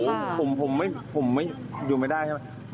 ผมไม่อยู่ไม่ได้ใช่ไหม